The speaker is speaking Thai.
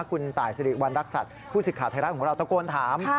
คุณตายสิริวัณรักษัตริย์ผู้สิทธิ์ไทยรัฐของเราตะโกนถาม